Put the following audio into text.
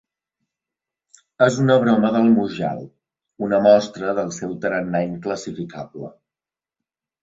És una broma del Mujal, una mostra del seu tarannà inclassificable.